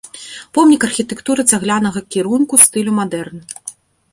Помнік архітэктуры цаглянага кірунку стылю мадэрн.